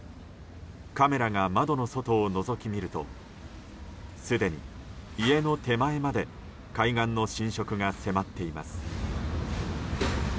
カメラが窓の外をのぞき見るとすでに家の手前まで海岸の浸食が迫っています。